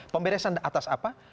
pemberesan atas apa